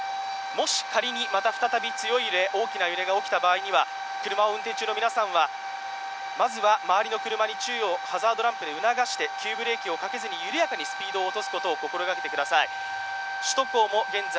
もし仮に、また再び強い揺れ大きな揺れが起きた場合には、運転中の皆さんは、まずは周りの車に注意をハザードランプで促して急ブレーキをかけずに緩やかにスピードを落とすことを心がけてください。